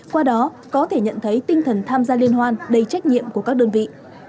qua đó có thể nhận thấy tinh thần tham gia liên hoan đầy trách nhiệm của các đơn vị